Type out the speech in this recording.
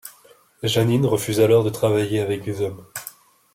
Janine refuse alors de travailler avec des hommes.